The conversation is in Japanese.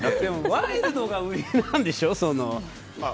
ワイルドが売りなんでしょ？